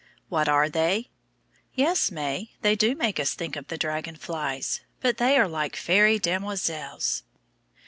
What are they? Yes, May, they do make us think of the dragon flies, but they are like fairy demoiselles.